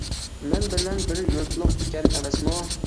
مەن بىلەن بىر يۇرتلۇق ئىكەن ئەمەسمۇ!